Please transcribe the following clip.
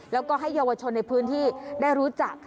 แล้วก็ให้เยาวชนในพื้นที่ได้รู้จัก